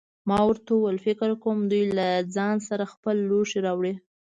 ما ورته وویل: فکر کوم چې دوی له ځان سره خپل لوښي راوړي.